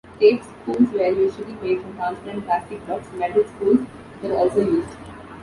Tape spools were usually made from transparent plastic but metal spools were also used.